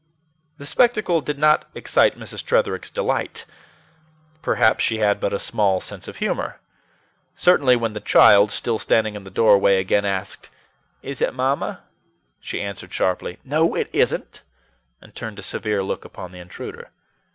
The spectacle did not excite Mrs. Tretherick's delight. Perhaps she had but a small sense of humor. Certainly, when the child, still standing in the doorway, again asked, "Is it Mamma?" she answered sharply, "No, it isn't," and turned a severe look upon the intruder.